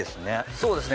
そうですね。